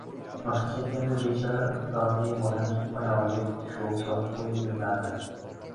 Boshqacha aytganda, bechora iqtidorli bolaning oyog‘iga tushov solib qo‘yilardi.